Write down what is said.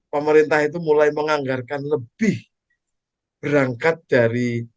pemerintah itu mulai menganggarkan lebih berangkat dari